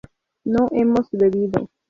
no hemos bebido